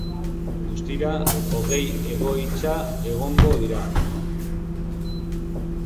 Guztira, hogei egoitza egongo dira.